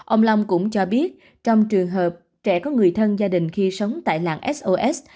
ông long cũng cho biết trong trường hợp trẻ có người thân gia đình khi sống tại làng sos